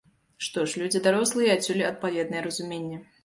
Што ж, людзі дарослыя і адсюль адпаведнае разуменне.